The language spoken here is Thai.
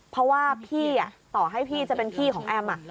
เพราะว่าพี่ต่อให้พี่จะเป็นพี่ของแอม